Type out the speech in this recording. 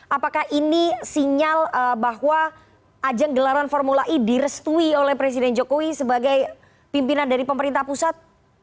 apakah ini sinyal bahwa ajang gelaran formula e direstui oleh presiden jokowi sebagai pimpinan dari pemerintah pusat